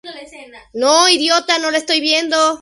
Hija de Enrique I y de Blanca de Artois.